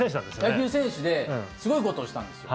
野球選手ですごいことをしたんですよ。